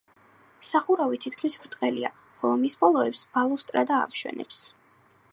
სახურავი თითქმის ბრტყელია, ხოლო მის ბოლოებს ბალუსტრადა ამშვენებს.